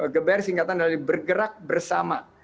geber singkatan dari bergerak bersama